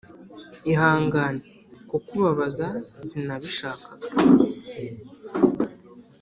ihangane kukubabaza sinabishakaga